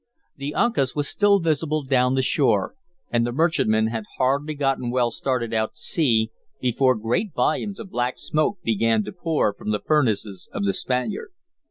The Uncas was still visible down the shore, and the merchantman had hardly gotten well started out to sea before great volumes of black smoke began to pour from the furnaces of the Spaniard.